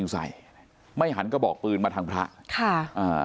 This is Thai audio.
ใส่ไม่หันกระบอกปืนมาทางพระค่ะอ่า